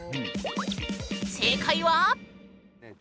正解は。